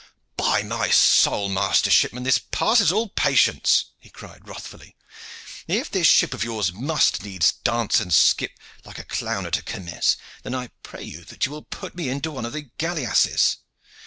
"By my soul, master shipman, this passes all patience!" he cried wrathfully. "If this ship of yours must needs dance and skip like a clown at a kermesse, then I pray you that you will put me into one of these galeasses.